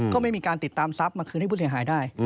ก็ไม่มีการติดตามทรัพย์มาคืนให้ผู้เสียหายได้